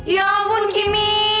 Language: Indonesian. ya ampun kimi